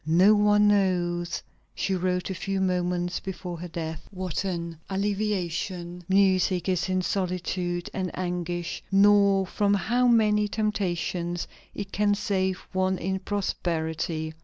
"No one knows," she wrote a few moments before her death, "what an alleviation music is in solitude and anguish, nor from how many temptations it can save one in prosperity."